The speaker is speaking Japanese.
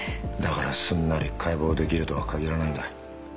だからすんなり解剖できるとは限らないんだ。